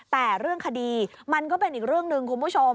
แต่เรื่องคดีมันก็เป็นอีกเรื่องหนึ่งคุณผู้ชม